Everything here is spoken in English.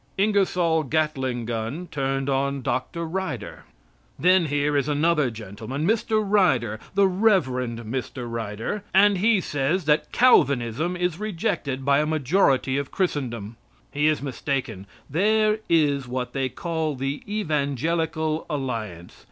INGERSOLL GATLING GUN TURNED ON DR. RYDER Then here is another gentleman, Mr. Ryder, the Rev. Mr. Ryder, and he says that Calvinism is rejected by a majority of Christendom. He is mistaken. There is what they call the Evangelical Alliance.